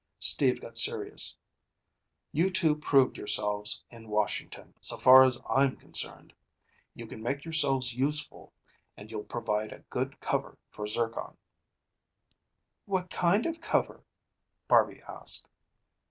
Steve got serious. "You two proved yourselves in Washington, so far as I'm concerned. You can make yourselves useful, and you'll provide a good cover for Zircon." "What kind of cover?" Barby asked.